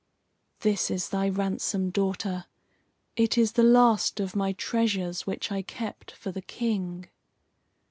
"This is thy ransom, daughter! It is the last of my treasures which I kept for the King."